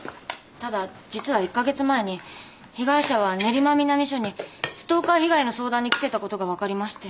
ただ実は１か月前に被害者は練馬南署にストーカー被害の相談に来てたことが分かりまして。